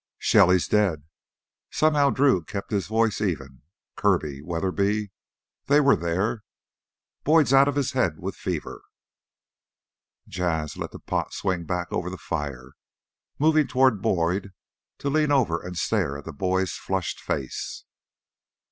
"Shelly's dead." Somehow Drew kept his voice even. Kirby ... Weatherby ... They were there. "Boyd's out of his head with fever." Jas' let the pot swing back over the fire, moving toward Boyd to lean over and stare at the boy's flushed face.